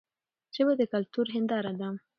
ژبه د کلتور هنداره ده.